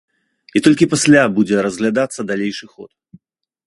І толькі пасля будзе разглядацца далейшы ход.